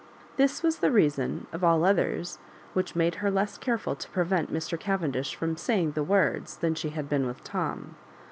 This was the reason, of all others, which made her less careful to prevent Mr. Cavendish from "saying the words" than she had been with Tom.